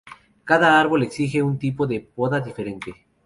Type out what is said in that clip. Cada árbol exige un tipo de poda diferente.